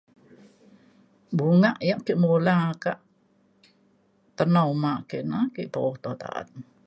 bunga yak ake mula kak tena uma ke na ake poto ta’an